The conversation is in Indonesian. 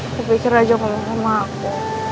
aku pikir raja mau ngomong sama aku